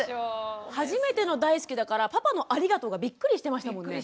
初めての大好きだからパパの「ありがとう」がビックリしてましたもんね。